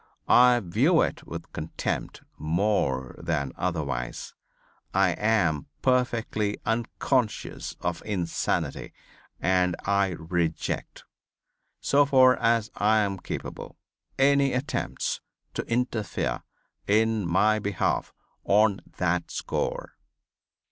I view it with contempt more than otherwise. I am perfectly unconscious of insanity and I reject, so far as I am capable, any attempts to interfere in my behalf on that score."